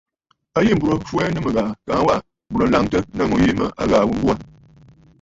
A yî m̀burə̀ m̀fwɛɛ nɨ mɨ̀ghàà kaa waʼà bùrə̀ laŋtə nɨ̂ ŋû yìi a ghàà ghu mbo aà.